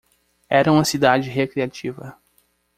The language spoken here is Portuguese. Era uma cidade recreativa.